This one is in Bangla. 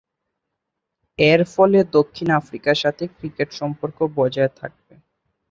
এরফলে দক্ষিণ আফ্রিকার সাথে ক্রিকেট সম্পর্ক বজায় থাকবে।